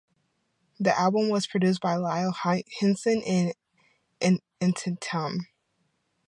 The album was produced by Lyle Hysen and Antietam.